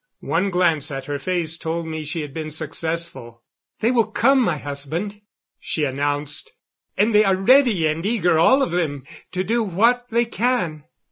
One glance at her face told me she had been successful. "They will come, my husband," she announced. "And they are ready and eager, all of them, to do what they can."